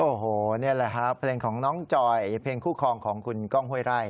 โอ้โหนี่แหละครับเพลงของน้องจอยเพลงคู่คลองของคุณกล้องห้วยไร่